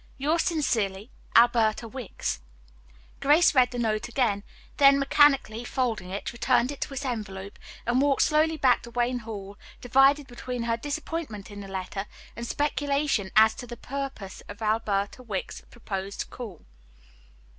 "Yours sincerely, "ALBERTA WICKS." Grace read the note again, then mechanically folding it, returned it to its envelope, and walked slowly back to Wayne Hall divided between her disappointment in the letter, and speculation as to the purport of Alberta Wicks's proposed call.